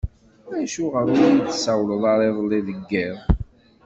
Acuɣer ur yi-d-tessawleḍ ara iḍelli deg yiḍ?